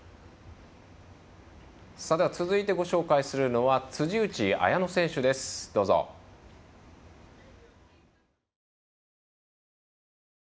続いてご紹介するのは辻内彩野選手です。